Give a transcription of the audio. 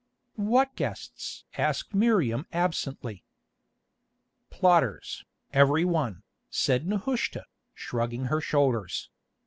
"What guests?" asked Miriam absently. "Plotters, every one," said Nehushta, shrugging her shoulders.